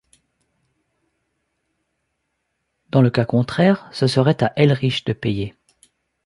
Dans le cas contraire, ce serait à Ehrlich de payer.